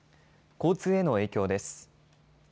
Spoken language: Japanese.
交通への影響です。